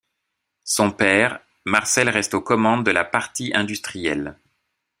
Son père, Marcel reste aux commandes de la partie industrielle.